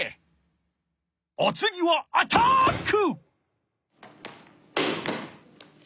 おつぎはアタック。